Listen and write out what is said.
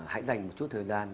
hãy dành một chút thời gian